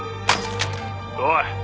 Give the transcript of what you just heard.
おい！